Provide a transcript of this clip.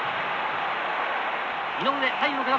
井上